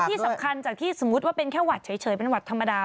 ที่สำคัญจากที่สมมุติว่าเป็นแค่หวัดเฉยเป็นหวัดธรรมดา